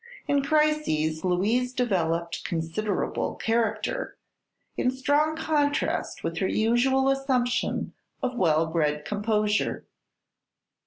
In crises Louise developed considerable character, in strong contrast with her usual assumption of well bred composure.